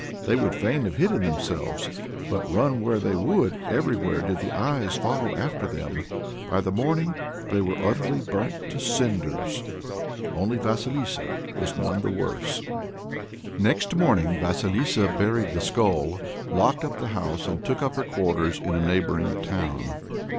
They would fain have hidden themselves, but run where they would, everywhere did the eyes follow after them. By the morning they were utterly burnt to cinders. Only Vasilissa was none the worse. [Next morning Vasilissa "buried the skull," locked up the house and took up her quarters in a neighboring town.